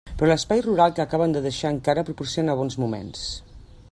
Però l'espai rural que acaben de deixar encara proporciona bons moments.